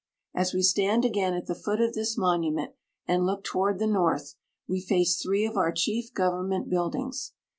As we stand again at the foot of this monument and look toward the north, we face three of our chief government buildings.